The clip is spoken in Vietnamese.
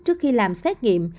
trước khi làm xét nghiệm